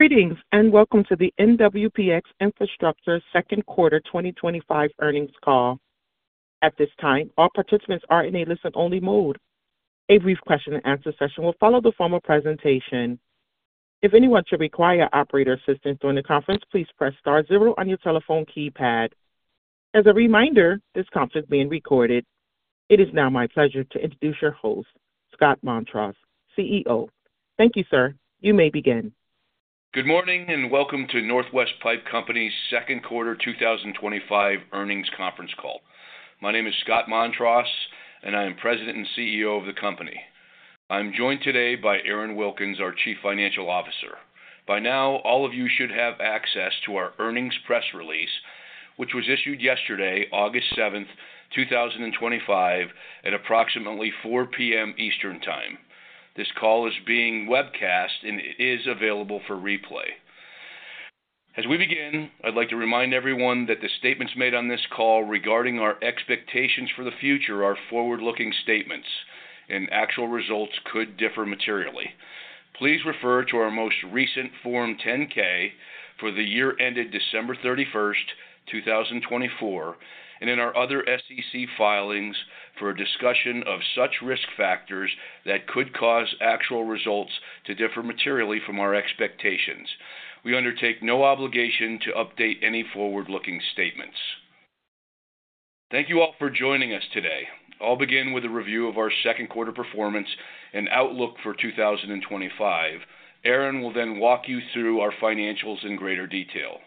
Greetings and welcome to the NWPX Infrastructure Second quarter 2025 Earnings Call. At this time, all participants are in a listen-only mode. A brief question-and-answer session will follow the formal presentation. If anyone should require operator assistance during the conference, please press star zero on your telephone keypad. As a reminder, this conference is being recorded. It is now my pleasure to introduce your host, Scott Montross, CEO. Thank you, sir. You may begin. Good morning and welcome to Northwest Pipe Company Second Quarter 2025 Earnings Conference Call. My name is Scott Montross, and I am President and CEO of the company. I'm joined today by Aaron Wilkins, our Chief Financial Officer. By now, all of you should have access to our earnings press release, which was issued yesterday, August 7th, 2025, at approximately 4:00 P.M. Eastern Time. This call is being webcast and is available for replay. As we begin, I'd like to remind everyone that the statements made on this call regarding our expectations for the future are forward-looking statements, and actual results could differ materially. Please refer to our most recent Form 10-K for the year ended December 31st, 2024, and in our other SEC filings for a discussion of such risk factors that could cause actual results to differ materially from our expectations. We undertake no obligation to update any forward-looking statements. Thank you all for joining us today. I'll begin with a review of our second quarter performance and outlook for 2025. Aaron will then walk you through our financials in greater detail.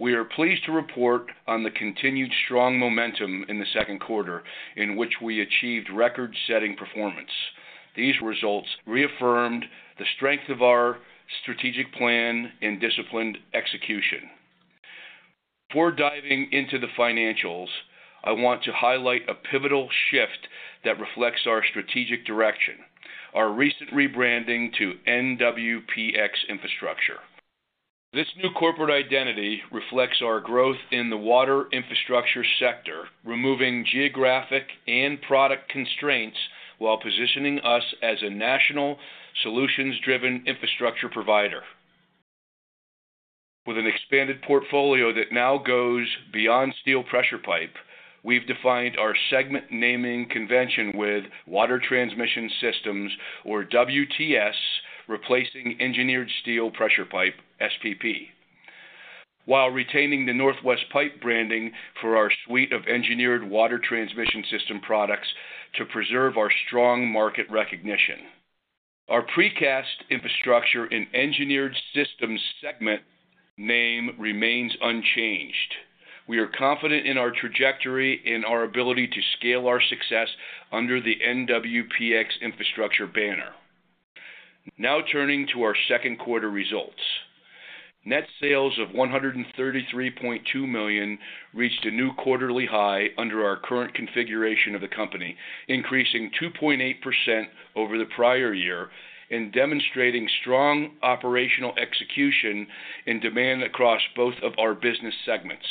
We are pleased to report on the continued strong momentum in the second quarter, in which we achieved record-setting performance. These results reaffirmed the strength of our strategic plan and disciplined execution. Before diving into the financials, I want to highlight a pivotal shift that reflects our strategic direction: our recent rebranding to NWPX Infrastructure. This new corporate identity reflects our growth in the water infrastructure sector, removing geographic and product constraints while positioning us as a national solutions-driven infrastructure provider. With an expanded portfolio that now goes beyond steel pressure pipe, we've defined our segment naming convention with Water Transmission Systems, or WTS, replacing Engineered Steel Pressure Pipe, SPP, while retaining the Northwest Pipe branding for our suite of engineered water transmission system products to preserve our strong market recognition. Our Precast Infrastructure and Engineered Systems segment name remains unchanged. We are confident in our trajectory and our ability to scale our success under the NWPX Infrastructure banner. Now turning to our second quarter results. Net sales of $133.2 million reached a new quarterly high under our current configuration of the company, increasing 2.8% over the prior year and demonstrating strong operational execution and demand across both of our business segments.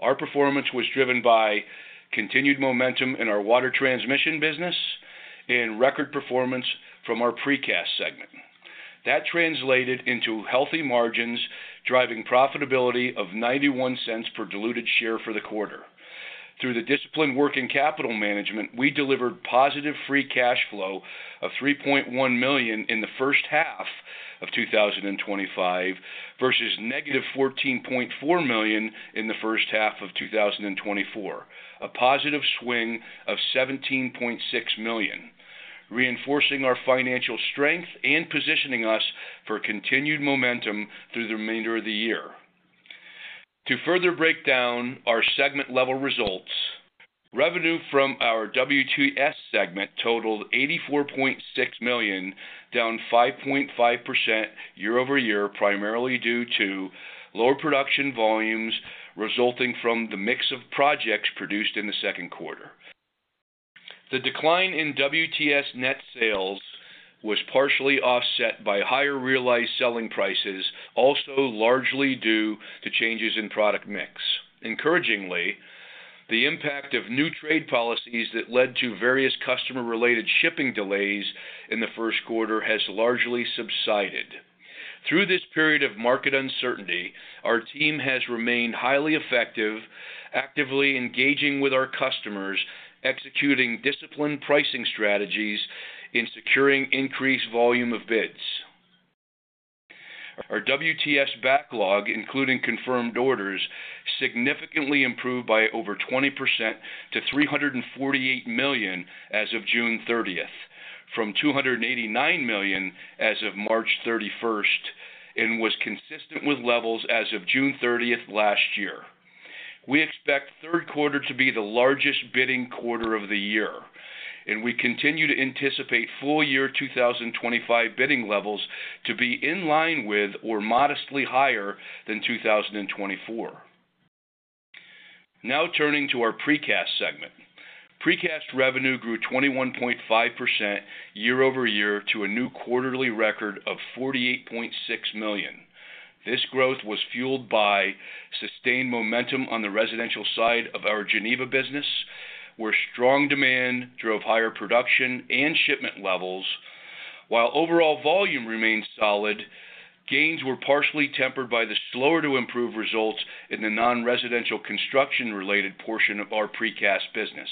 Our performance was driven by continued momentum in our water transmission business and record performance from our Precast segment. That translated into healthy margins, driving profitability of $0.91 per diluted share for the quarter. Through the disciplined work in capital management, we delivered positive free cash flow of $3.1 million in the first half of 2025 versus -$14.4 million in the first half of 2024, a positive swing of $17.6 million, reinforcing our financial strength and positioning us for continued momentum through the remainder of the year. To further break down our segment-level results, revenue from our WTS segment totaled $84.6 million, down 5.5% year-over-year, primarily due to lower production volumes resulting from the mix of projects produced in the second quarter. The decline in WTS net sales was partially offset by higher realized selling prices, also largely due to changes in product mix. Encouragingly, the impact of new trade policies that led to various customer-related shipping delays in the first quarter has largely subsided. Through this period of market uncertainty, our team has remained highly effective, actively engaging with our customers, executing disciplined pricing strategies, and securing increased volume of bids. Our WTS backlog, including confirmed orders, significantly improved by over 20% to $348 million as of June 30th, from $289 million as of March 31st, and was consistent with levels as of June 30th last year. We expect the third quarter to be the largest bidding quarter of the year, and we continue to anticipate full-year 2025 bidding levels to be in line with or modestly higher than 2024. Now turning to our Precast segment. Precast revenue grew 21.5% year-over-year to a new quarterly record of $48.6 million. This growth was fueled by sustained momentum on the residential side of our Geneva business, where strong demand drove higher production and shipment levels. While overall volume remained solid, gains were partially tempered by the slower-to-improve results in the non-residential construction-related portion of our Precast business.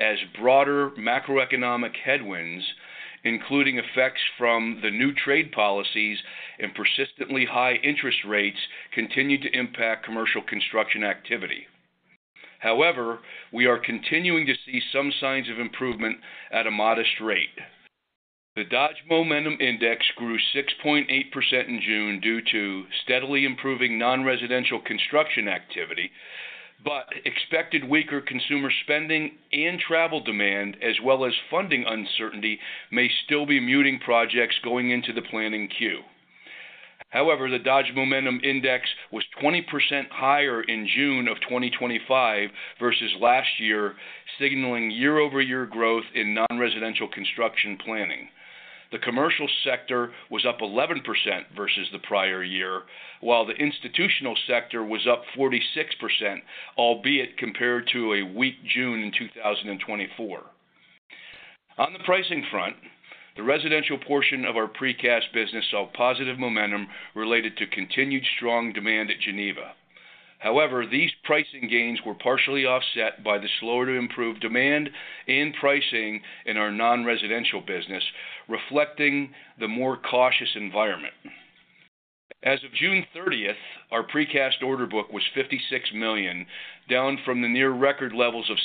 As broader macroeconomic headwinds, including effects from the new trade policies and persistently high interest rates, continue to impact commercial construction activity, we are continuing to see some signs of improvement at a modest rate. The Dodge Momentum Index grew 6.8% in June due to steadily improving non-residential construction activity, but expected weaker consumer spending and travel demand, as well as funding uncertainty, may still be muting projects going into the planning queue. The Dodge Momentum Index was 20% higher in June of 2025 versus last year, signaling year-over-year growth in non-residential construction planning. The commercial sector was up 11% versus the prior year, while the institutional sector was up 46%, albeit compared to a weak June in 2024. On the pricing front, the residential portion of our Precast business saw positive momentum related to continued strong demand at Geneva. These pricing gains were partially offset by the slower-to-improve demand and pricing in our non-residential business, reflecting the more cautious environment. As of June 30th, our Precast order book was $56 million, down from the near-record levels of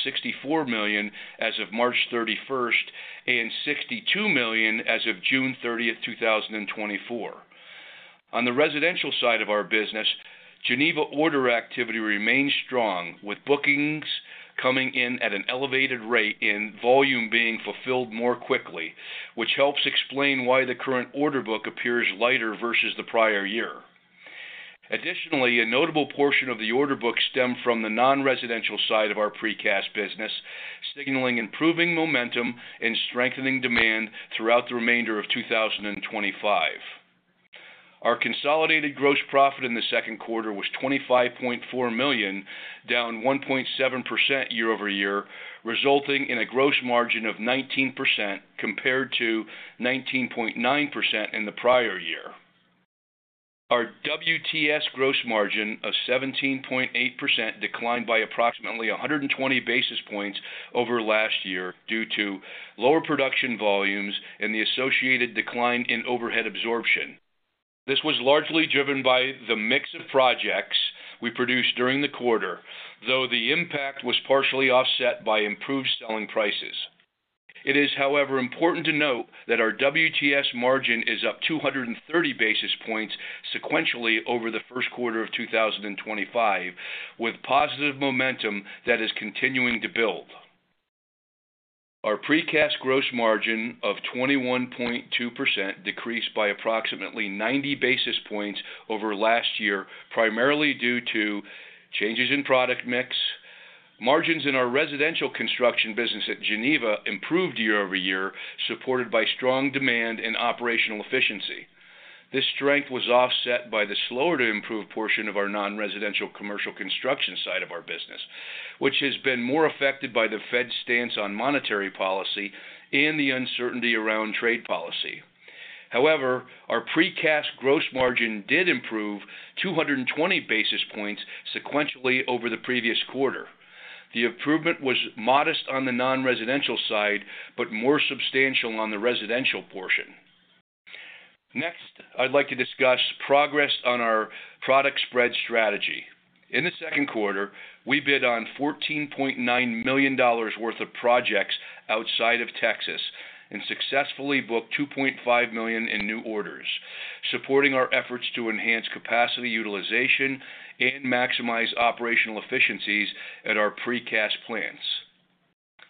$64 million as of March 31st and $62 million as of June 30th, 2024. On the residential side of our business, Geneva order activity remains strong, with bookings coming in at an elevated rate and volume being fulfilled more quickly, which helps explain why the current order book appears lighter versus the prior year. Additionally, a notable portion of the order book stemmed from the non-residential side of our Precast business, signaling improving momentum and strengthening demand throughout the remainder of 2025. Our consolidated gross profit in the second quarter was $25.4 million, down 1.7% year-over-year, resulting in a gross margin of 19% compared to 19.9% in the prior year. Our WTS gross margin of 17.8% declined by approximately 120 basis points over last year due to lower production volumes and the associated decline in overhead absorption. This was largely driven by the mix of projects we produced during the quarter, though the impact was partially offset by improved selling prices. It is, however, important to note that our WTS margin is up 230 basis points sequentially over the first quarter of 2025, with positive momentum that is continuing to build. Our Precast gross margin of 21.2% decreased by approximately 90 basis points over last year, primarily due to changes in product mix. Margins in our residential construction business at Geneva improved year-over-year, supported by strong demand and operational efficiency. This strength was offset by the slower-to-improve portion of our non-residential commercial construction side of our business, which has been more affected by the Fed's stance on monetary policy and the uncertainty around trade policy. However, our Precast gross margin did improve 220 basis points sequentially over the previous quarter. The improvement was modest on the non-residential side, but more substantial on the residential portion. Next, I'd like to discuss progress on our product spread strategy. In the second quarter, we bid on $14.9 million worth of projects outside of Texas and successfully booked $2.5 million in new orders, supporting our efforts to enhance capacity utilization and maximize operational efficiencies at our Precast plants.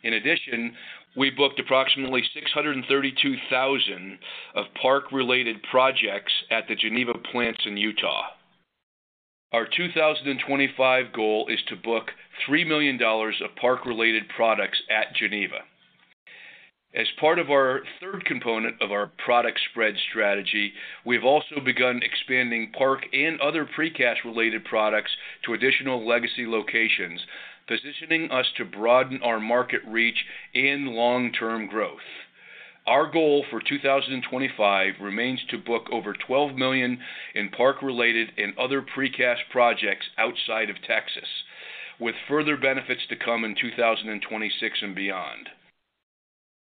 In addition, we booked approximately $632,000 of park-related projects at the Geneva plants in Utah. Our 2025 goal is to book $3 million of park-related products at Geneva. As part of our third component of our product spread strategy, we've also begun expanding park and other Precast-related products to additional legacy locations, positioning us to broaden our market reach and long-term growth. Our goal for 2025 remains to book over $12 million in park-related and other Precast projects outside of Texas, with further benefits to come in 2026 and beyond.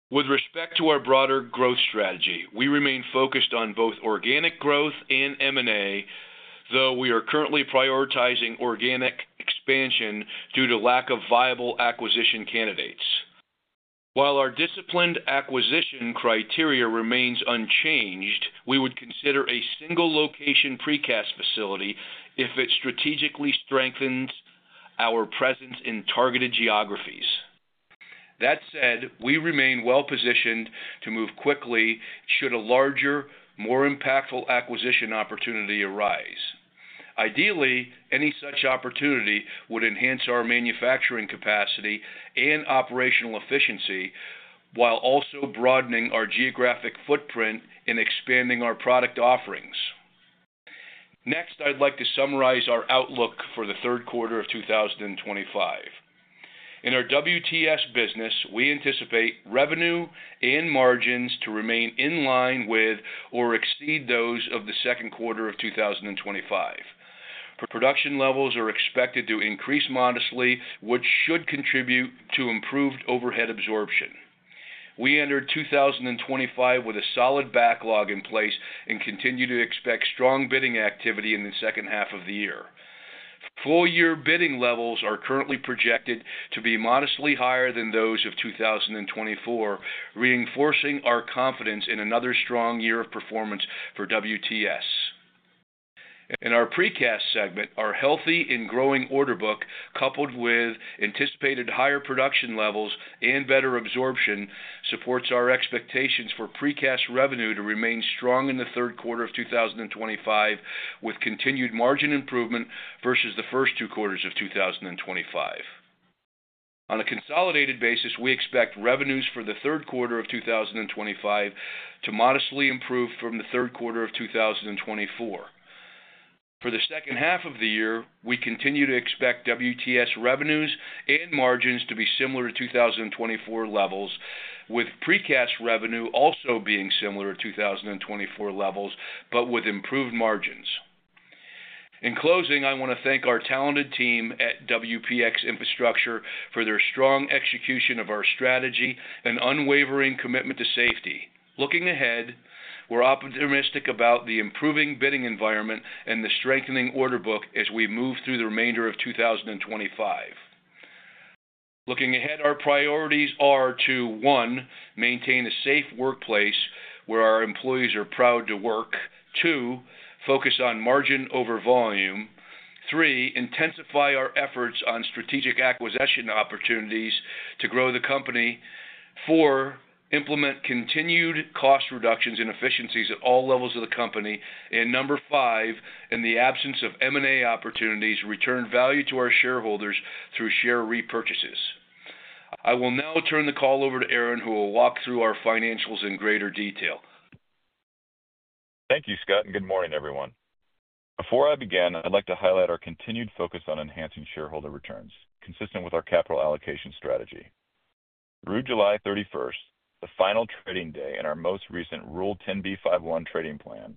With respect to our broader growth strategy, we remain focused on both organic growth and M&A, though we are currently prioritizing organic expansion due to lack of viable acquisition candidates. While our disciplined acquisition criteria remains unchanged, we would consider a single-location Precast facility if it strategically strengthens our presence in targeted geographies. That said, we remain well-positioned to move quickly should a larger, more impactful acquisition opportunity arise. Ideally, any such opportunity would enhance our manufacturing capacity and operational efficiency while also broadening our geographic footprint and expanding our product offerings. Next, I'd like to summarize our outlook for the third quarter of 2025. In our WTS business, we anticipate revenue and margins to remain in line with or exceed those of the second quarter of 2025. Production levels are expected to increase modestly, which should contribute to improved overhead absorption. We entered 2025 with a solid backlog in place and continue to expect strong bidding activity in the second half of the year. Full-year bidding levels are currently projected to be modestly higher than those of 2024, reinforcing our confidence in another strong year of performance for WTS. In our Precast segment, our healthy and growing order book, coupled with anticipated higher production levels and better absorption, supports our expectations for Precast revenue to remain strong in the third quarter of 2025, with continued margin improvement versus the first two quarters of 2025. On a consolidated basis, we expect revenues for the third quarter of 2025 to modestly improve from the third quarter of 2024. For the second half of the year, we continue to expect WTS revenues and margins to be similar to 2024 levels, with Precast revenue also being similar to 2024 levels, but with improved margins. In closing, I want to thank our talented team at NWPX Infrastructure for their strong execution of our strategy and unwavering commitment to safety. Looking ahead, we're optimistic about the improving bidding environment and the strengthening order book as we move through the remainder of 2025. Looking ahead, our priorities are to, one, maintain a safe workplace where our employees are proud to work, two, focus on margin over volume, three, intensify our efforts on strategic acquisition opportunities to grow the company, four, implement continued cost reductions and efficiencies at all levels of the company, and number five, in the absence of M&A opportunities, return value to our shareholders through share repurchases. I will now turn the call over to Aaron, who will walk through our financials in greater detail. Thank you, Scott, and good morning, everyone. Before I begin, I'd like to highlight our continued focus on enhancing shareholder returns, consistent with our capital allocation strategy. Through July 31st, the final trading day in our most recent Rule 10b5-1 trading plan,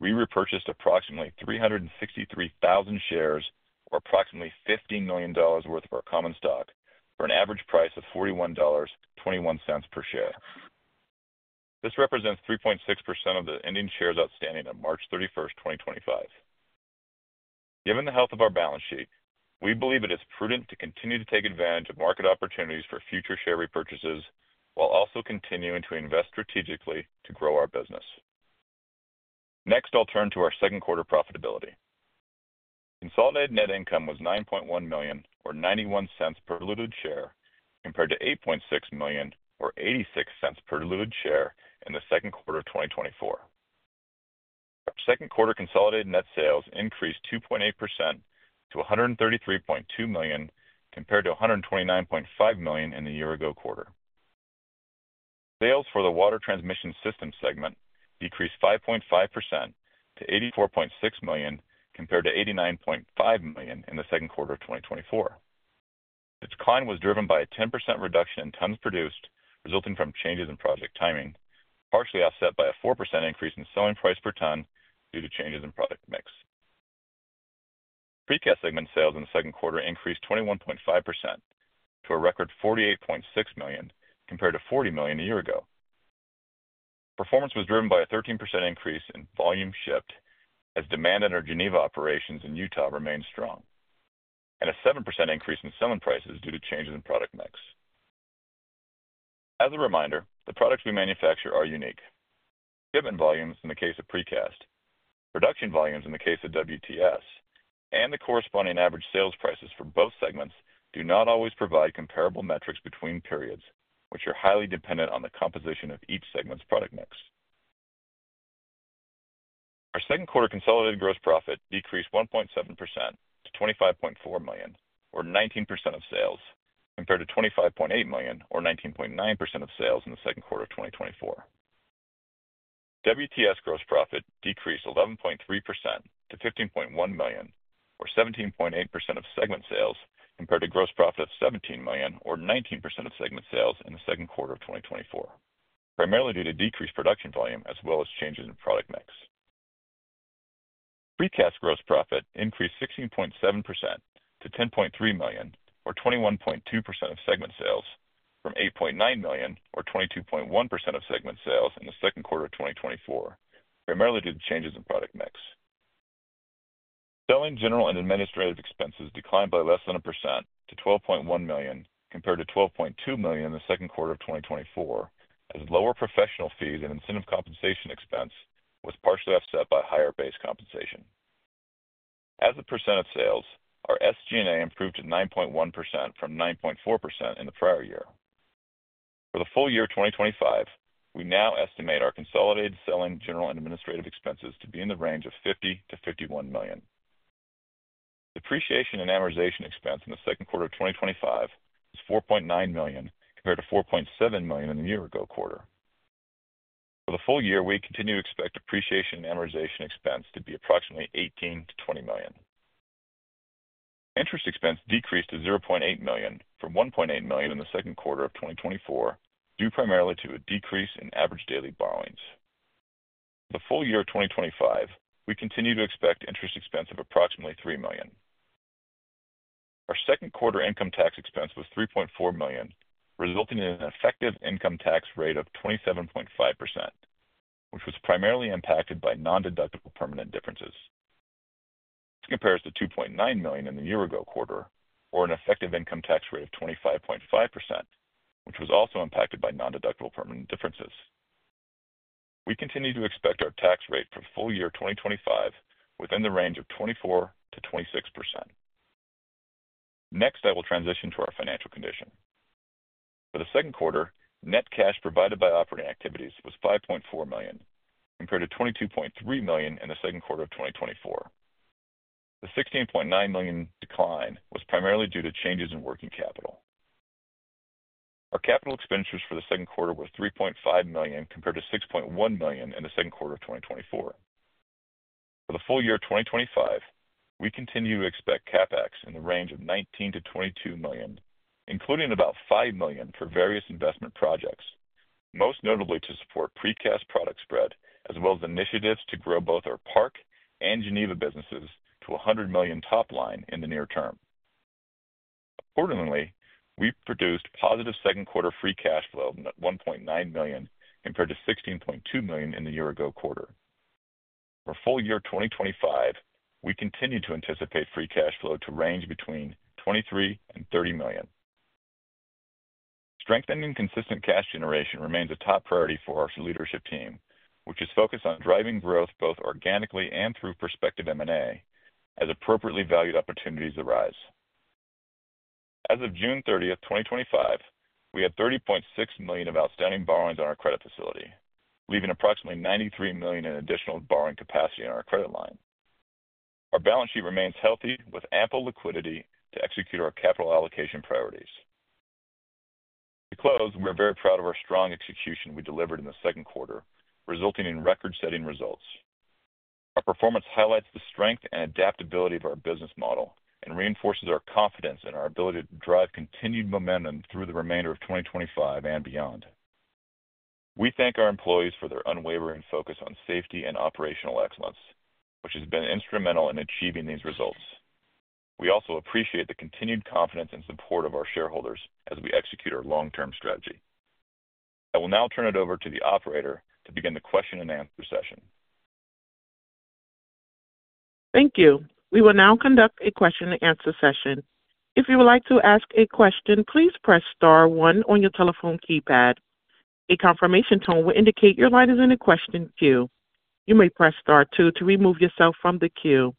we repurchased approximately 363,000 shares, or approximately $15 million worth of our common stock, for an average price of $41.21 per share. This represents 3.6% of the ending shares outstanding on March 31st, 2025. Given the health of our balance sheet, we believe it is prudent to continue to take advantage of market opportunities for future share repurchases while also continuing to invest strategically to grow our business. Next, I'll turn to our second quarter profitability. Consolidated net income was $9.1 million, or $0.91 per diluted share, compared to $8.6 million, or $0.86 per diluted share in the second quarter of 2024. Our second quarter consolidated net sales increased 2.8% to $133.2 million, compared to $129.5 million in the year-ago quarter. Sales for the Water Transmission Systems segment decreased 5.5% to $84.6 million, compared to $89.5 million in the second quarter of 2024. The decline was driven by a 10% reduction in tons produced, resulting from changes in project timing, partially offset by a 4% increase in selling price per ton due to changes in product mix. Precast segment sales in the second quarter increased 21.5% to a record $48.6 million, compared to $40 million a year ago. Performance was driven by a 13% increase in volume shipped as demand in our Geneva operations in Utah remains strong, and a 7% increase in selling prices due to changes in product mix. As a reminder, the products we manufacture are unique. Shipment volumes in the case of Precast, production volumes in the case of WTS, and the corresponding average sales prices for both segments do not always provide comparable metrics between periods, which are highly dependent on the composition of each segment's product mix. Our second quarter consolidated gross profit decreased 1.7% to $25.4 million, or 19% of sales, compared to $25.8 million, or 19.9% of sales in the second quarter of 2024. WTS gross profit decreased 11.3% to $15.1 million, or 17.8% of segment sales, compared to gross profit of $17 million, or 19% of segment sales in the second quarter of 2024, primarily due to decreased production volume as well as changes in product mix. Precast gross profit increased 16.7% to $10.3 million, or 21.2% of segment sales, from $8.9 million, or 22.1% of segment sales in the second quarter of 2024, primarily due to changes in product mix. Selling, general and administrative expenses declined by less than a percent to $12.1 million, compared to $12.2 million in the second quarter of 2024, as lower professional fees and incentive compensation expense was partially offset by higher base compensation. As a percent of sales, our SG&A improved to 9.1% from 9.4% in the prior year. For the full year 2025, we now estimate our consolidated selling, general and administrative expenses to be in the range of $50 million-$51 million. Depreciation and amortization expense in the second quarter of 2025 was $4.9 million compared to $4.7 million in the year-ago quarter. For the full year, we continue to expect depreciation and amortization expense to be approximately $18 million-$20 million. Interest expense decreased to $0.8 million from $1.8 million in the second quarter of 2024, due primarily to a decrease in average daily borrowings. For the full year of 2025, we continue to expect interest expense of approximately $3 million. Our second quarter income tax expense was $3.4 million, resulting in an effective income tax rate of 27.5%, which was primarily impacted by non-deductible permanent differences. This compares to $2.9 million in the year-ago quarter, or an effective income tax rate of 25.5%, which was also impacted by non-deductible permanent differences. We continue to expect our tax rate for the full year 2025 within the range of 24%-26%. Next, I will transition to our financial condition. For the second quarter, net cash provided by operating activities was $5.4 million, compared to $22.3 million in the second quarter of 2024. The $16.9 million decline was primarily due to changes in working capital. Our capital expenditures for the second quarter were $3.5 million, compared to $6.1 million in the second quarter of 2024. For the full year of 2025, we continue to expect CapEx in the range of $19 million-$22 million, including about $5 million for various investment projects, most notably to support Precast product spread, as well as initiatives to grow both our park and Geneva businesses to $100 million top line in the near term. Accordingly, we produced positive second quarter free cash flow of $1.9 million, compared to $16.2 million in the year-ago quarter. For the full year of 2025, we continue to anticipate free cash flow to range between $23 million and $30 million. Strengthening consistent cash generation remains a top priority for our leadership team, which is focused on driving growth both organically and through prospective M&A, as appropriately valued opportunities arise. As of June 30th, 2025, we had $30.6 million of outstanding borrowings on our credit facility, leaving approximately $93 million in additional borrowing capacity on our credit line. Our balance sheet remains healthy, with ample liquidity to execute our capital allocation priorities. To close, we are very proud of our strong execution we delivered in the second quarter, resulting in record-setting results. Our performance highlights the strength and adaptability of our business model and reinforces our confidence in our ability to drive continued momentum through the remainder of 2025 and beyond. We thank our employees for their unwavering focus on safety and operational excellence, which has been instrumental in achieving these results. We also appreciate the continued confidence and support of our shareholders as we execute our long-term strategy. I will now turn it over to the operator to begin the question and answer session. Thank you. We will now conduct a question-and-answer session. If you would like to ask a question, please press star one on your telephone keypad. A confirmation tone will indicate your line is in a question queue. You may press star two to remove yourself from the queue.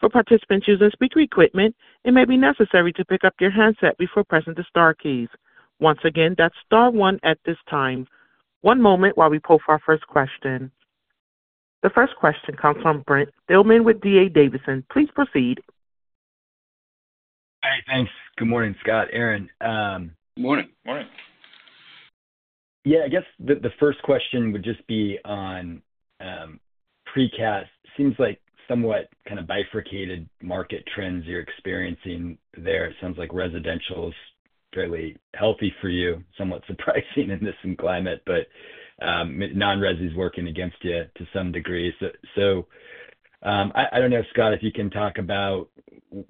For participants using speaker equipment, it may be necessary to pick up your headset before pressing the star keys. Once again, that's star one at this time. One moment while we pull for our first question. The first question comes from Brent Thielman with D.A. Davidson. Please proceed. Hi, thanks. Good morning, Scott. Aaron. Morning. Yeah, I guess the first question would just be on Precast. It seems like somewhat kind of bifurcated market trends you're experiencing there. It sounds like residential is fairly healthy for you, somewhat surprising in this environment, but non-residential is working against you to some degree. I don't know, Scott, if you can talk about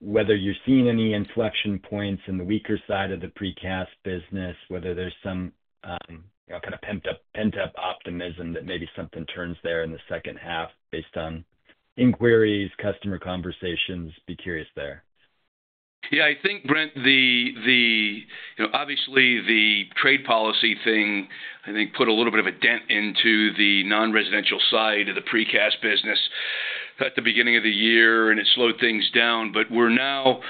whether you're seeing any inflection points in the weaker side of the Precast business, whether there's some kind of pent-up optimism that maybe something turns there in the second half based on inquiries, customer conversations. Be curious there. Yeah, I think, Brent, the, you know, obviously the trade policy thing, I think, put a little bit of a dent into the non-residential side of the Precast business at the beginning of the year, and it slowed things down. We're now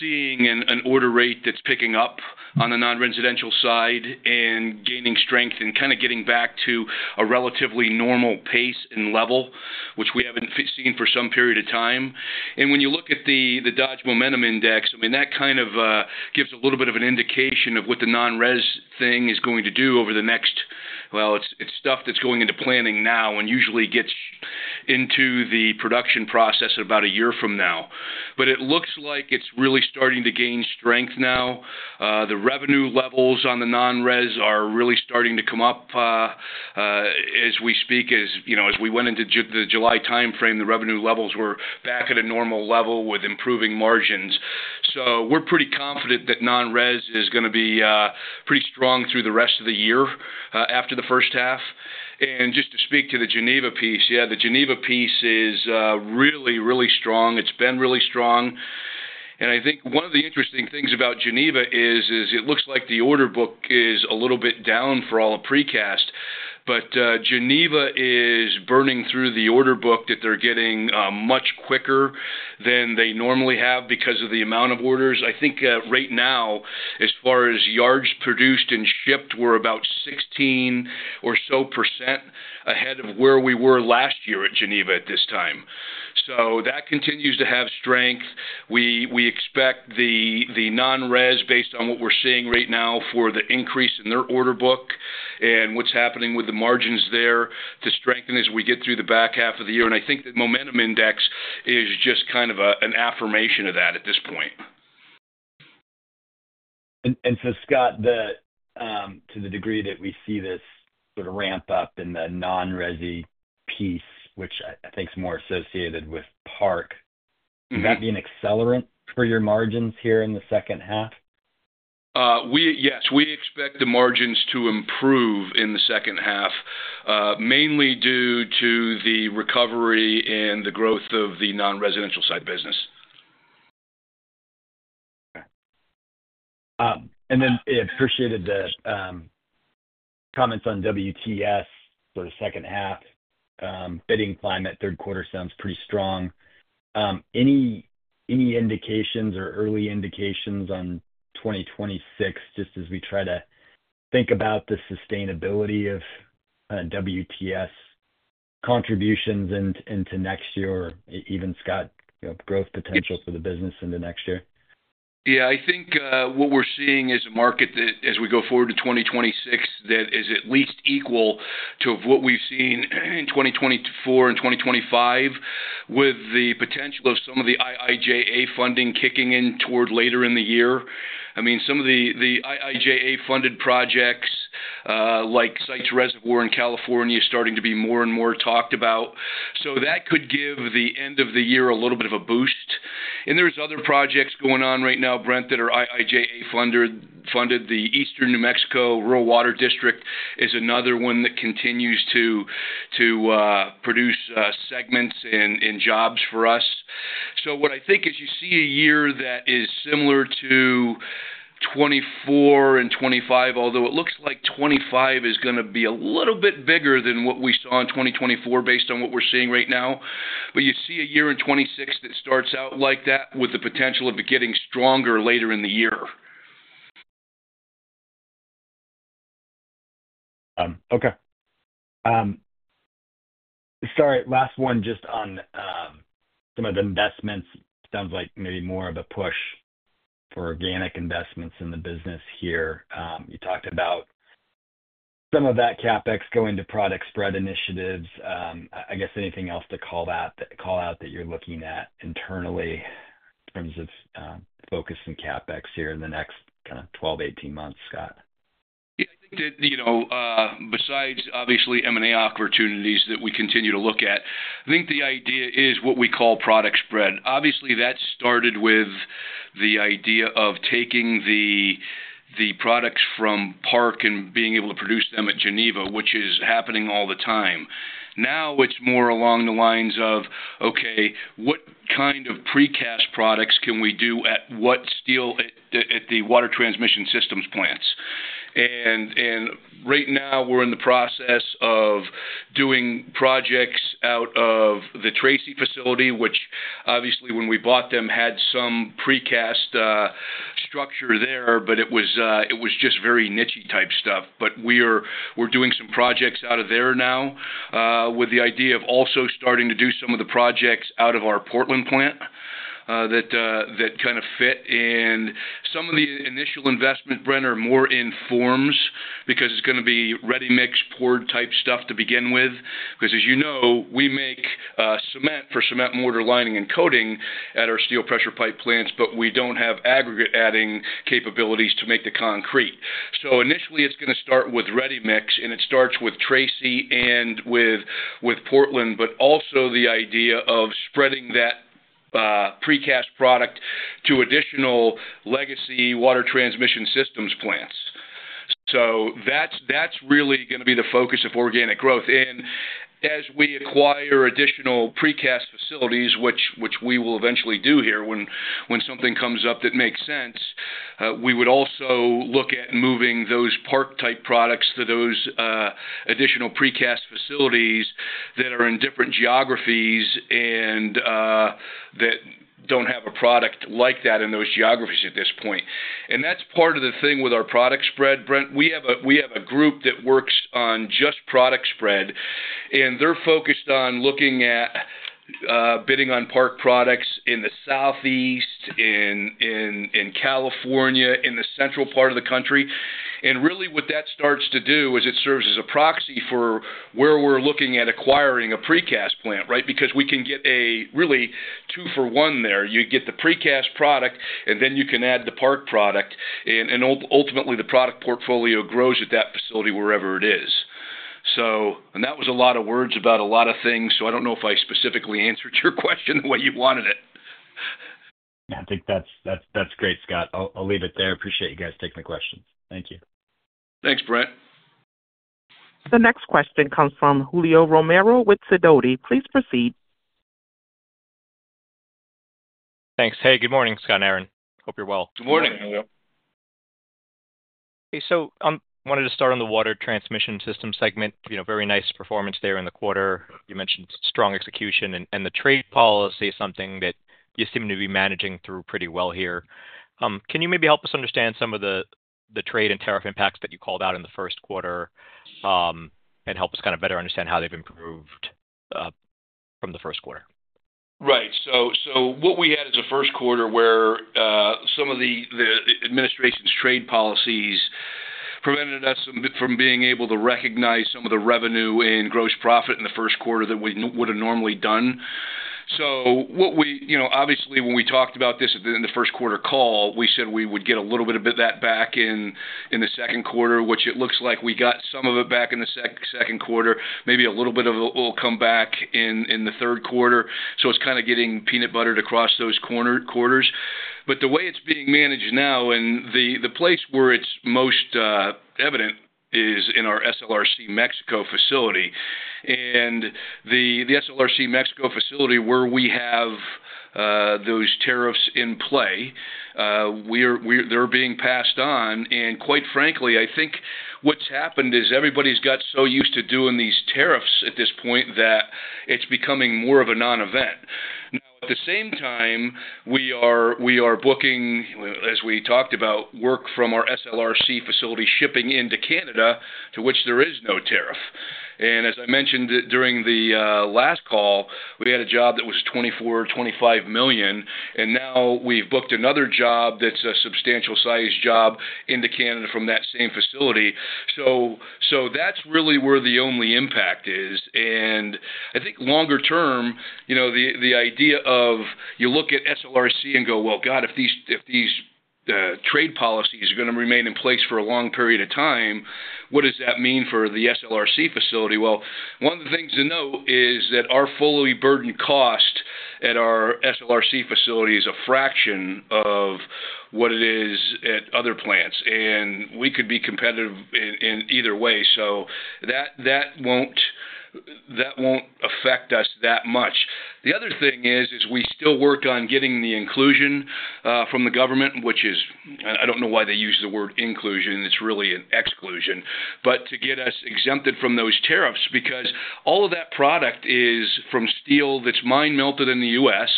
seeing an order rate that's picking up on the non-residential side and gaining strength and kind of getting back to a relatively normal pace and level, which we haven't seen for some period of time. When you look at the Dodge Momentum Index, I mean, that kind of gives a little bit of an indication of what the non-res thing is going to do over the next, well, it's stuff that's going into planning now and usually gets into the production process at about a year from now. It looks like it's really starting to gain strength now. The revenue levels on the non-res are really starting to come up as we speak. As you know, as we went into the July timeframe, the revenue levels were back at a normal level with improving margins. We're pretty confident that non-res is going to be pretty strong through the rest of the year after the first half. Just to speak to the Geneva piece, yeah, the Geneva piece is really, really strong. It's been really strong. I think one of the interesting things about Geneva is it looks like the order book is a little bit down for all of Precast, but Geneva is burning through the order book that they're getting much quicker than they normally have because of the amount of orders. I think right now, as far as yards produced and shipped, we're about 16% or so ahead of where we were last year at Geneva at this time. That continues to have strength. We expect the non-res based on what we're seeing right now for the increase in their order book and what's happening with the margins there to strengthen as we get through the back half of the year. I think the Dodge Momentum Index is just kind of an affirmation of that at this point. Scott, to the degree that we see this sort of ramp up in the non-res piece, which I think is more associated with park, would that be an accelerant for your margins here in the second half? Yes, we expect the margins to improve in the second half, mainly due to the recovery and the growth of the non-residential side business. I appreciated the comments on WTS for the second half. The bidding climate in the third quarter sounds pretty strong. Any indications or early indications on 2026, just as we try to think about the sustainability of WTS contributions into next year or even, Scott, growth potential for the business into next year? Yeah, I think what we're seeing is a market that, as we go forward to 2026, is at least equal to what we've seen in 2024 and 2025, with the potential of some of the IIJA funding kicking in toward later in the year. Some of the IIJA-funded projects, like Sites Reservoir in California, are starting to be more and more talked about. That could give the end of the year a little bit of a boost. There are other projects going on right now, Brent, that are IIJA-funded. The Eastern New Mexico Rural Water District is another one that continues to produce segments and jobs for us. What I think is you see a year that is similar to 2024 and 2025, although it looks like 2025 is going to be a little bit bigger than what we saw in 2024 based on what we're seeing right now. You'd see a year in 2026 that starts out like that with the potential of it getting stronger later in the year. Okay. Sorry, last one just on some of the investments. It sounds like maybe more of a push for organic investments in the business here. You talked about some of that CapEx going to product spread initiatives. I guess anything else to call out that you're looking at internally in terms of focusing CapEx here in the next kind of 12 months, 18 months, Scott? Yeah, I think that, you know, besides obviously M&A opportunities that we continue to look at, I think the idea is what we call product spread. Obviously, that started with the idea of taking the products from park and being able to produce them at Geneva, which is happening all the time. Now it's more along the lines of, okay, what kind of Precast products can we do at what steel at the Water Transmission Systems plants? Right now, we're in the process of doing projects out of the Tracy facility, which obviously when we bought them had some Precast structure there, but it was just very niche type stuff. We're doing some projects out of there now, with the idea of also starting to do some of the projects out of our Portland plant that kind of fit. Some of the initial investment, Brent, are more in forms because it's going to be ready mixed, poured type stuff to begin with. As you know, we make cement for cement mortar lining and coating at our steel pressure pipe plants, but we don't have aggregate adding capabilities to make the concrete. Initially, it's going to start with ready mix, and it starts with Tracy and with Portland, but also the idea of spreading that Precast product to additional legacy Water Transmission Systems plants. That's really going to be the focus of organic growth. As we acquire additional Precast facilities, which we will eventually do here when something comes up that makes sense, we would also look at moving those park type products to those additional Precast facilities that are in different geographies and that don't have a product like that in those geographies at this point. That's part of the thing with our product spread, Brent. We have a group that works on just product spread, and they're focused on looking at bidding on park products in the Southeast, in California, in the central part of the country. Really, what that starts to do is it serves as a proxy for where we're looking at acquiring a Precast plant, right? We can get a really two-for-one there. You get the Precast product, and then you can add the park product, and ultimately, the product portfolio grows at that facility wherever it is. That was a lot of words about a lot of things, so I don't know if I specifically answered your question the way you wanted it. Yeah, I think that's great, Scott. I'll leave it there. I appreciate you guys taking the questions. Thank you. Thanks, Brent. The next question comes from Julio Romero with Sidoti. Please proceed. Thanks. Good morning, Scott, Aaron. Hope you're well. Good morning, Julio. I wanted to start on the Water Transmission Systems segment. Very nice performance there in the quarter. You mentioned strong execution and the trade policy, something that you seem to be managing through pretty well here. Can you maybe help us understand some of the trade and tariff impacts that you called out in the first quarter and help us kind of better understand how they've improved from the first quarter? Right. What we had is a first quarter where some of the administration's trade policies prevented us from being able to recognize some of the revenue and gross profit in the first quarter that we would have normally done. Obviously, when we talked about this in the first quarter call, we said we would get a little bit of that back in the second quarter, which it looks like we got some of it back in the second quarter. Maybe a little bit of it will come back in the third quarter. It's kind of getting peanut buttered across those quarters. The way it's being managed now and the place where it's most evident is in our SLRC Mexico facility. The SLRC Mexico facility, where we have those tariffs in play, they're being passed on. Quite frankly, I think what's happened is everybody's got so used to doing these tariffs at this point that it's becoming more of a non-event. At the same time, we are booking, as we talked about, work from our SLRC facility shipping into Canada, to which there is no tariff. As I mentioned during the last call, we had a job that was $24 million, $25 million. Now we've booked another job that's a substantial size job into Canada from that same facility. That's really where the only impact is. I think longer term, the idea of you look at SLRC and go, God, if these trade policies are going to remain in place for a long period of time, what does that mean for the SLRC facility? One of the things to note is that our fully burdened cost at our SLRC facility is a fraction of what it is at other plants, and we could be competitive in either way. That won't affect us that much. The other thing is, we still work on getting the inclusion from the government, which is, I don't know why they use the word inclusion. It's really an exclusion, but to get us exempted from those tariffs because all of that product is from steel that's mine-melted in the U.S.,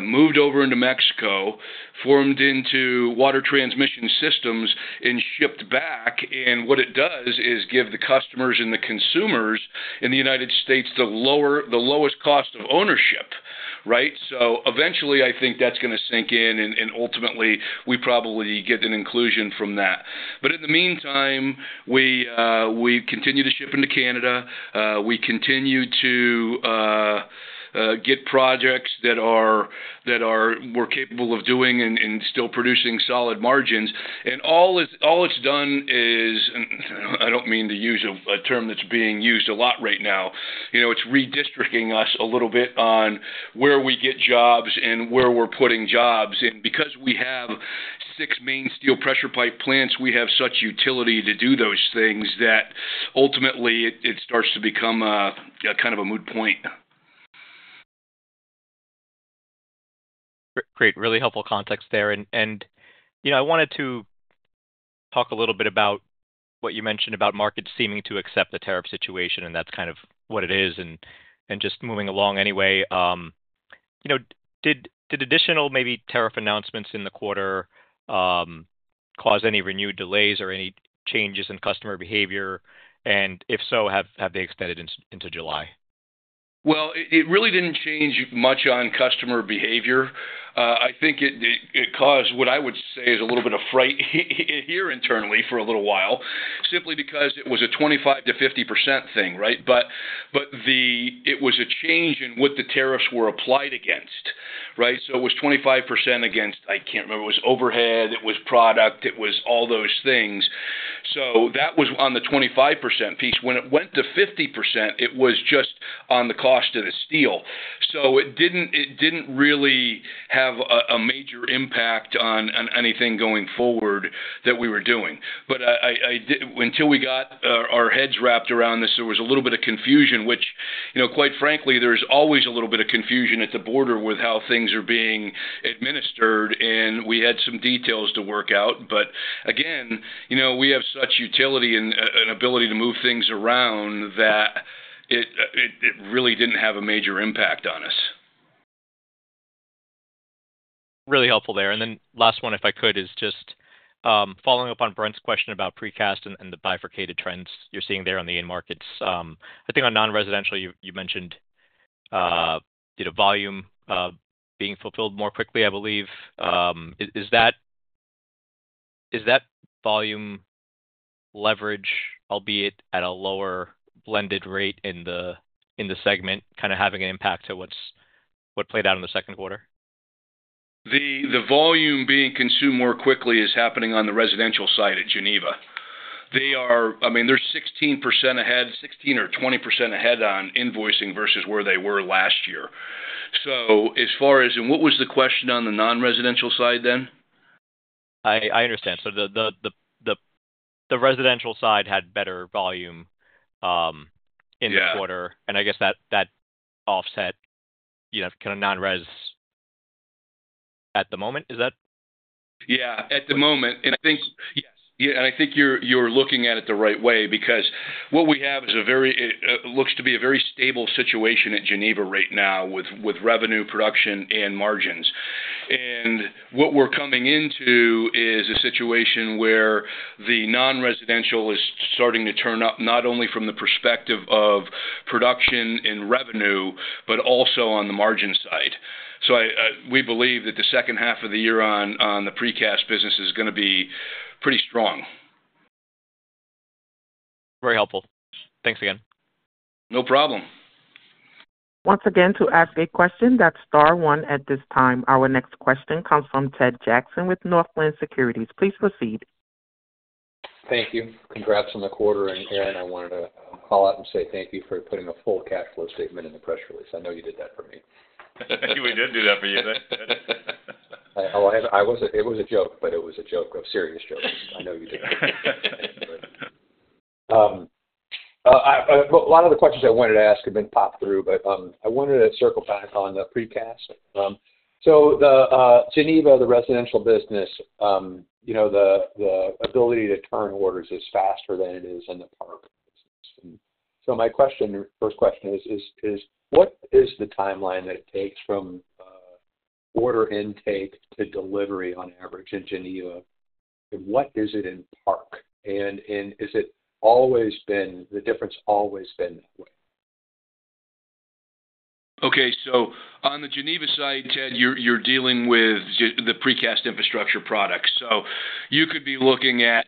moved over into Mexico, formed into water transmission systems, and shipped back. What it does is give the customers and the consumers in the United States the lowest cost of ownership, right? Eventually, I think that's going to sink in, and ultimately, we probably get an inclusion from that. In the meantime, we continue to ship into Canada. We continue to get projects that we're capable of doing and still producing solid margins. All it's done is, and I don't mean to use a term that's being used a lot right now, it's redistricting us a little bit on where we get jobs and where we're putting jobs. Because we have six main steel pressure pipe plants, we have such utility to do those things that ultimately it starts to become a kind of a moot point. Great, really helpful context there. I wanted to talk a little bit about what you mentioned about markets seeming to accept the tariff situation, and that's kind of what it is. Just moving along anyway, did additional maybe tariff announcements in the quarter cause any renewed delays or any changes in customer behavior? If so, have they extended into July? It really didn't change much on customer behavior. I think it caused what I would say is a little bit of fright here internally for a little while, simply because it was a 25%-50% thing, right? It was a change in what the tariffs were applied against, right? It was 25% against, I can't remember, it was overhead, it was product, it was all those things. That was on the 25% piece. When it went to 50%, it was just on the cost of the steel. It didn't really have a major impact on anything going forward that we were doing. Until we got our heads wrapped around this, there was a little bit of confusion, which, you know, quite frankly, there's always a little bit of confusion at the border with how things are being administered. We had some details to work out. Again, you know, we have such utility and an ability to move things around that it really didn't have a major impact on us. Really helpful there. Last one, if I could, is just following up on Brent's question about Precast and the bifurcated trends you're seeing there on the end markets. I think on non-residential, you mentioned volume being fulfilled more quickly, I believe. Is that volume leverage, albeit at a lower blended rate in the segment, kind of having an impact to what played out in the second quarter? The volume being consumed more quickly is happening on the residential side at Geneva. They are 16% ahead, 16% or 20% ahead on invoicing versus where they were last year. As far as, and what was the question on the non-residential side then? I understand. The residential side had better volume in the quarter. I guess that offset, you know, kind of non-res at the moment, is that? I think you're looking at it the right way because what we have is a very, it looks to be a very stable situation at Geneva right now with revenue production and margins. What we're coming into is a situation where the non-residential is starting to turn up not only from the perspective of production and revenue, but also on the margin side. We believe that the second half of the year on the Precast business is going to be pretty strong. Very helpful. Thanks again. No problem. Once again, to ask a question, that's star one at this time. Our next question comes from Ted Jackson with Northland Securities. Please proceed. Thank you. Congrats on the quarter. Aaron, I wanted to call out and say thank you for putting a full cash flow statement in the press release. I know you did that for me. We did do that for you. It was a joke, but it was a joke, a serious joke. I know you did. A lot of the questions I wanted to ask had been popped through, but I wanted to circle back on the Precast. The Geneva, the residential business, you know, the ability to turn orders is faster than it is in the park business. My question is, what is the timeline that it takes from order intake to delivery on average in Geneva? What is it in park? Has the difference always been that way? Okay, on the Geneva side, Ted, you're dealing with the Precast Infrastructure products. You could be looking at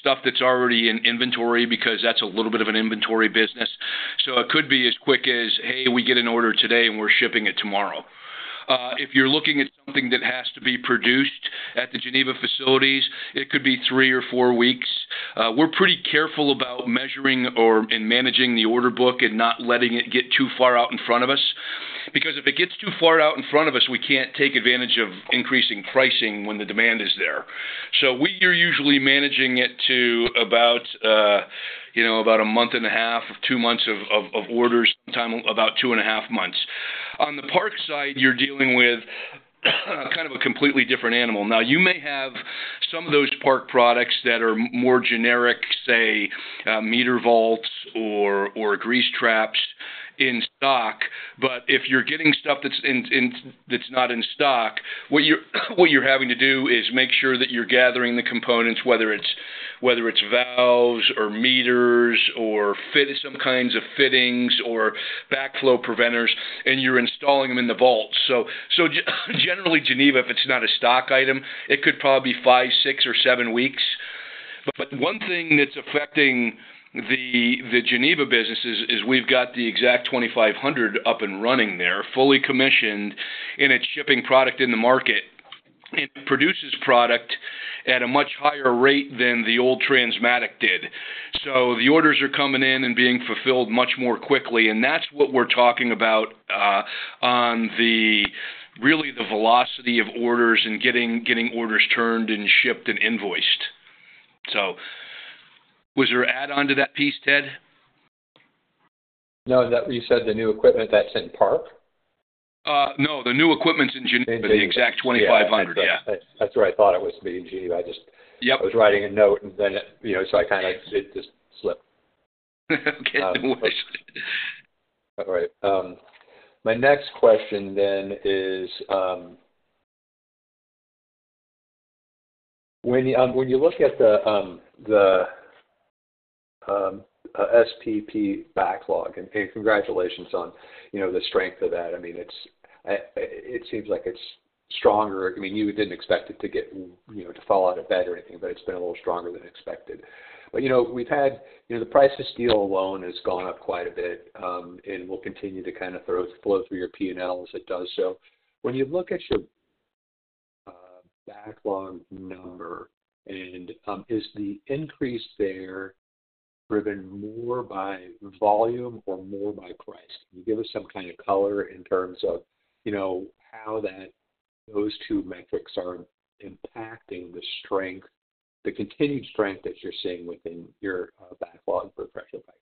stuff that's already in inventory because that's a little bit of an inventory business. It could be as quick as, hey, we get an order today and we're shipping it tomorrow. If you're looking at something that has to be produced at the Geneva facilities, it could be three or four weeks. We're pretty careful about measuring or managing the order book and not letting it get too far out in front of us. If it gets too far out in front of us, we can't take advantage of increasing pricing when the demand is there. We are usually managing it to about a month and a half, two months of orders, about two and a half months. On the park side, you're dealing with kind of a completely different animal. You may have some of those park products that are more generic, say, meter vaults or grease traps in stock. If you're getting stuff that's not in stock, what you're having to do is make sure that you're gathering the components, whether it's valves or meters or some kinds of fittings or backflow preventers, and you're installing them in the vaults. Generally, Geneva, if it's not a stock item, it could probably be five, six, or seven weeks. One thing that's affecting the Geneva business is we've got the Exact 2500 up and running there, fully commissioned, and it's shipping product in the market. It produces product at a much higher rate than the old Transmatic did. The orders are coming in and being fulfilled much more quickly. That's what we're talking about on the velocity of orders and getting orders turned and shipped and invoiced. Was there an add-on to that piece, Ted? No, you said the new equipment that's in park? No, the new equipment's in Geneva, the Exact 2500. Yeah, that's where I thought it was to be in Geneva. I just was writing a note, and then, you know, it just slipped. All right. My next question then is when you look at the STP backlog, and hey, congratulations on, you know, the strength of that. I mean, it seems like it's stronger. I mean, you wouldn't expect it to get, you know, to fall out of bed or anything, but it's been a little stronger than expected. You know, we've had, you know, the price to steel alone has gone up quite a bit, and we'll continue to kind of throw a float through your P&L as it does. When you look at your backlog number, is the increase there driven more by volume or more by price? Can you give us some kind of color in terms of, you know, how those two metrics are impacting the strength, the continued strength that you're seeing within your backlog for pressure pipes?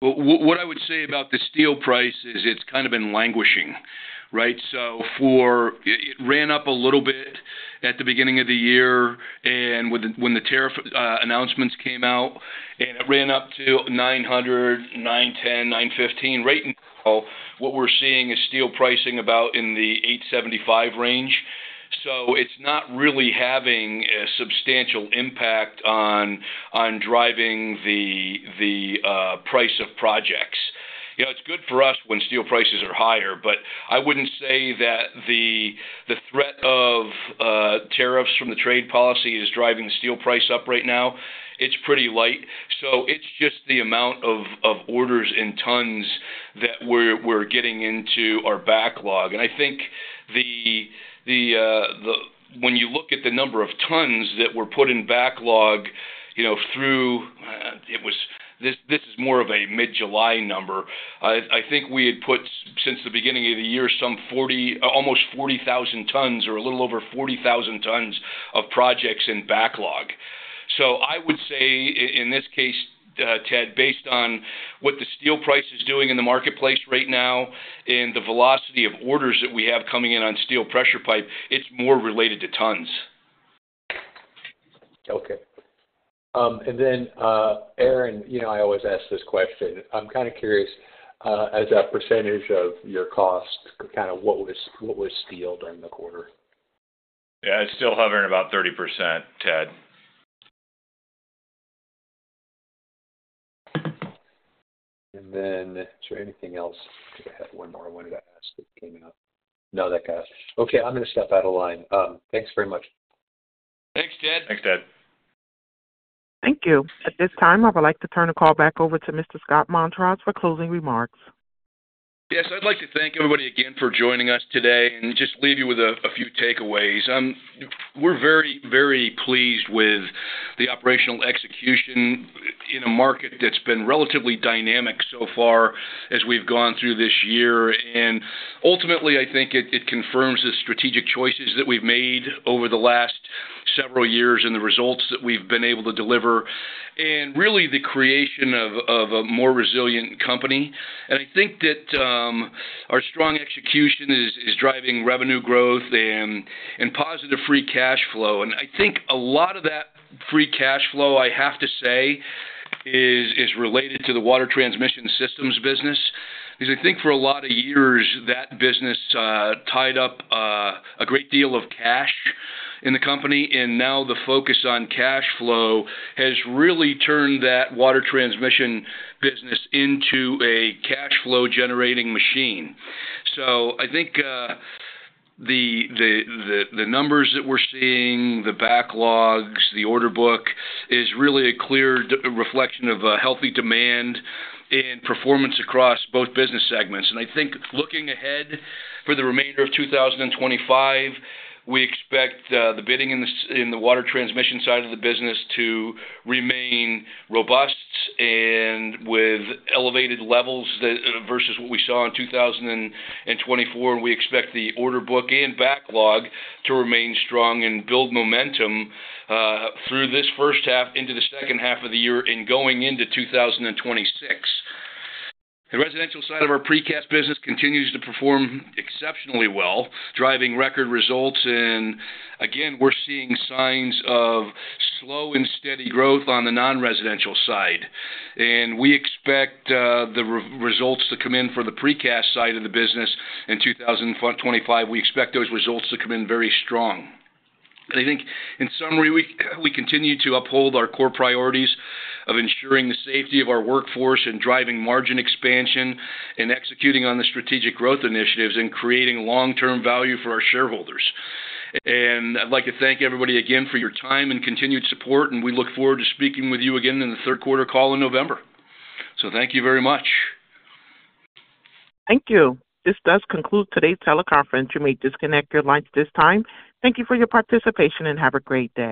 What I would say about the steel price is it's kind of been languishing, right? It ran up a little bit at the beginning of the year when the tariff announcements came out, and it ran up to $900, $910, $915. Right now, what we're seeing is steel pricing about in the $875 range. It's not really having a substantial impact on driving the price of projects. You know, it's good for us when steel prices are higher, but I wouldn't say that the threat of tariffs from the trade policy is driving the steel price up right now. It's pretty light. It's just the amount of orders in tons that we're getting into our backlog. I think when you look at the number of tons that were put in backlog, you know, through, it was this, this is more of a mid-July number. I think we had put since the beginning of the year some 40,000 tons, almost 40,000 tons or a little over 40,000 tons of projects in backlog. I would say in this case, Ted, based on what the steel price is doing in the marketplace right now and the velocity of orders that we have coming in on steel pressure pipe, it's more related to tons. Okay. Aaron, you know, I always ask this question. I'm kind of curious, as a percentage of your cost, what was steel during the quarter? Yeah, it's still hovering about 30%, Ted. Is there anything else? I think I have one more that I asked that came up. No, that got it. Okay, I'm going to step out of line. Thanks very much. Thanks, Ted. Thanks, Ted. Thank you. At this time, I would like to turn the call back over to Mr. Scott Montross for closing remarks. Yes, I'd like to thank everybody again for joining us today and just leave you with a few takeaways. We're very, very pleased with the operational execution in a market that's been relatively dynamic so far as we've gone through this year. Ultimately, I think it confirms the strategic choices that we've made over the last several years and the results that we've been able to deliver and really the creation of a more resilient company. I think that our strong execution is driving revenue growth and positive free cash flow. I think a lot of that free cash flow, I have to say, is related to the Water Transmission Systems business because I think for a lot of years, that business tied up a great deal of cash in the company. Now the focus on cash flow has really turned that Water Transmission business into a cash flow generating machine. I think the numbers that we're seeing, the backlogs, the order book is really a clear reflection of a healthy demand and performance across both business segments. Looking ahead for the remainder of 2025, we expect the bidding in the water transmission side of the business to remain robust and with elevated levels versus what we saw in 2024. We expect the order book and backlog to remain strong and build momentum through this first half into the second half of the year and going into 2026. The residential side of our Precast business continues to perform exceptionally well, driving record results. Again, we're seeing signs of slow and steady growth on the non-residential side. We expect the results to come in for the Precast side of the business in 2025. We expect those results to come in very strong. In summary, we continue to uphold our core priorities of ensuring the safety of our workforce and driving margin expansion and executing on the strategic growth initiatives and creating long-term value for our shareholders. I'd like to thank everybody again for your time and continued support. We look forward to speaking with you again in the third quarter call in November. Thank you very much. Thank you. This does conclude today's teleconference. You may disconnect your lines at this time. Thank you for your participation and have a great day.